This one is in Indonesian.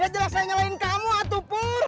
jelas saya nyalain kamu atu pur